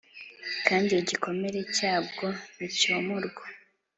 kandi igikomere cyabwo nticyomorwa.